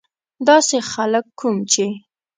داسې خلک کوم چې.